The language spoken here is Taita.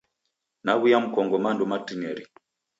Naw'uya mkongo mando matineri.